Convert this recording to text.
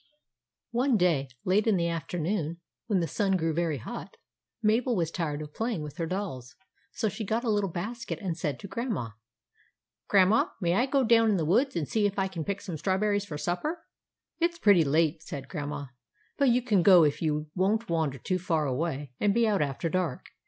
One day, late in the afternoon, when the sun grew very hot, Mabel was tired of play ing with her dolls, so she got a little basket and said to Grandma :—" Grandma, may I go down in the woods and see if I can pick some strawberries for supper?" "It's pretty late/' said Grandma; "but you can go if you won't wander too far away and be out after dark.